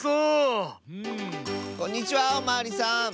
こんにちはおまわりさん。